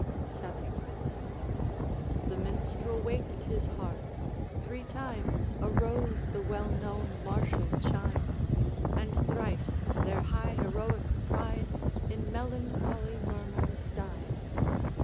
VII. The minstrel waked his harp, three times Arose the well known martial chimes, And thrice their high heroic pride In melancholy murmurs died.